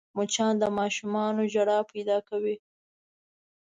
مچان د ماشوم ژړا پیدا کوي